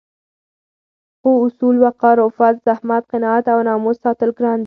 خو اصول، وقار، عفت، زحمت، قناعت او ناموس ساتل ګران دي